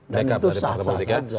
dan itu sah sah saja